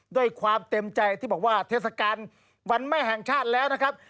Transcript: ด้วยความเต็มใจที่บอกว่าเทศกาลวันแม่แห่งชาติแล้วนะครับ